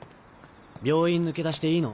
病院抜け出していいの？